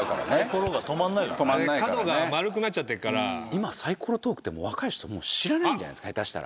今サイコロトークって若い人知らないんじゃないですか？